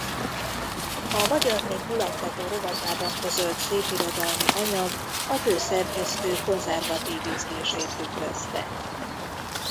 A Magyar Nép Mulattató rovatában közölt szépirodalmi anyag a főszerkesztő konzervatív ízlését tükrözte.